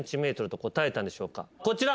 こちら。